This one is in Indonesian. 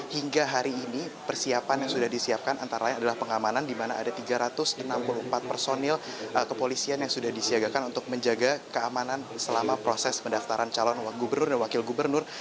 hingga hari ini persiapan yang sudah disiapkan antara lain adalah pengamanan di mana ada tiga ratus enam puluh empat personil kepolisian yang sudah disiagakan untuk menjaga keamanan selama proses pendaftaran calon gubernur dan wakil gubernur